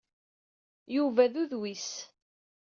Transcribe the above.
Yuba d udwis.